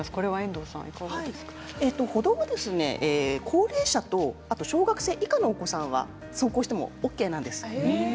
高齢者と小学生以下のお子さんは歩道を走行してもＯＫなんです。